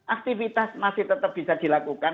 aktivitas masih tetap bisa dilakukan